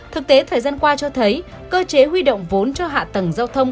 thực tế thời gian qua cho thấy cơ chế huy động vốn cho hạ tầng giao thông